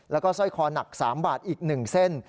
แล้วก็สร้อยคอหนัก๓บาทอีก๑เส้น